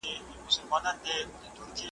که پوهه وي نو ټولنه نه ورانیږي.